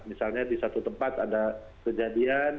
misalnya di satu tempat ada kejadian